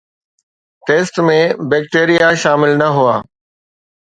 test ۾ bacteria شامل نه هئا